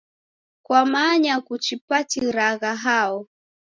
Kwamanya kuchipatiragha hao?